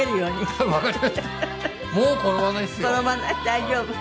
大丈夫？